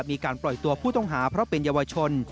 มีการปล่อยตัวผู้ต้องหาเพราะเป็นเยาวชน